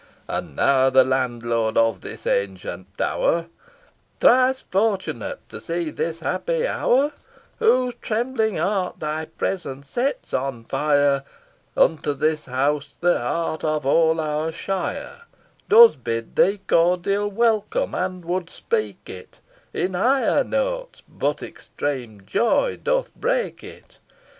And now the landlord of this ancient Tower, Thrice fortunate to see this happy hour, Whose trembling heart thy presence sets on fire, Unto this house the heart of all our shire Does bid thee cordial welcome, and would speak it In higher notes, but extreme joy doth break it.